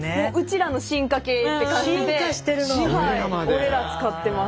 「おれら」使ってます。